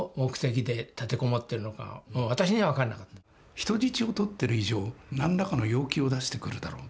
人質を取ってる以上何らかの要求を出してくるだろう。